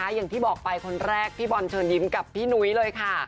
อย่างที่บอกไปคนแรกพี่บอลเชิญยิ้มกับพี่นุ้ยเลยค่ะ